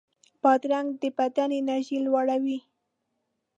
بادرنګ د بدن انرژي لوړوي.